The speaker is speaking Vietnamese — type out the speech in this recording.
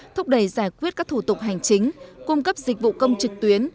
thúc đẩy giải quyết các thủ tục hành chính cung cấp dịch vụ công trực tuyến